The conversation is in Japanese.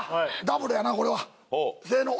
ダブルやなこれは。せーの。